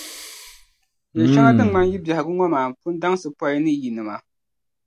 Yεli shɛŋa din ŋmani yi biɛhigu ŋɔ maa Pun daŋsi pɔi ni yinima.